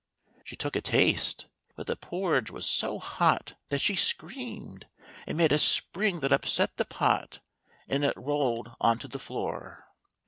She took a taste, but the porridge was so hot that she screamed, and made a spring that upset the pot, and it rolled on to the floor.